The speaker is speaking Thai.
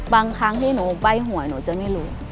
บางครั้งที่หนูใบ้หวยหนูจะไม่รู้